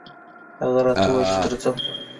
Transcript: هغه راته وويل چې درځم